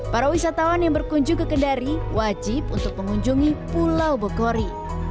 para wisatawan yang berkunjung ke kendari wajib untuk mengunjungi pulau bogori